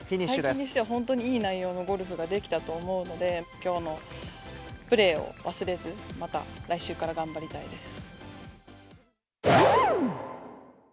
最近にしては、いい内容のゴルフができたと思うので、きょうのプレーを忘れず、また来週から頑張りたいです。